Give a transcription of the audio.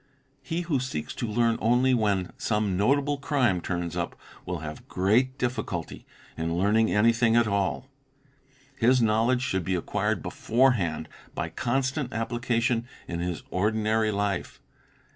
He who seeks to learn only when some notable crime turns up, will have great difficulty in learning anything at all. His knowledge should be acquired beforehand by constant application in his ordinary life.